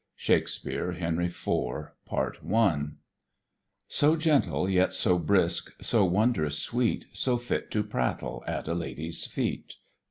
SHAKSPEARE, Henry IV, Part I So gentle, yet so brisk, so wond'rous sweet, So fit to prattle at a lady's feet.